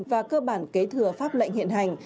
và cơ bản kế thừa pháp lệnh hiện hành